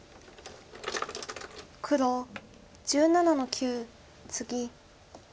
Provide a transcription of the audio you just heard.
黒１７の九ツギ。